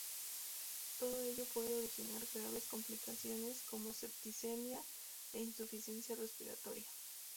Todo ello puede originar graves complicaciones como septicemia e insuficiencia respiratoria.